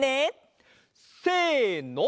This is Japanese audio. せの！